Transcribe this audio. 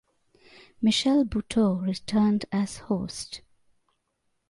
Michelle Buteau returned as host.